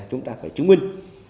chúng ta phải chứng minh